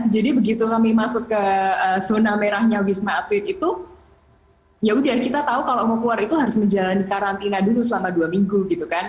jadi begitu kami masuk ke zona merahnya wisma atlet itu ya udah kita tahu kalau mau keluar itu harus menjalani karantina dulu selama dua minggu gitu kan